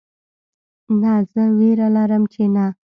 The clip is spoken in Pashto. نه زه ویره لرم چې نه